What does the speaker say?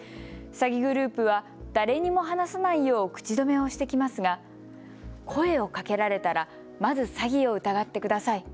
詐欺グループは誰にも話さないよう口止めをしてきますが、声をかけられたらまず詐欺を疑ってください。